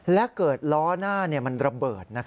และเกิดล้อหน้ามันระเบิด